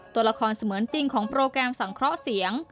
ตัวละครเสมือนจริงของโปรแกรมสังเคราะห์เสียง